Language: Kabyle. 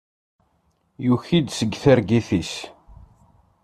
Yuki-d seg targit-is.